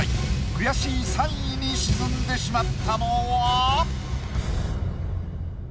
悔しい３位に沈んでしまったのは？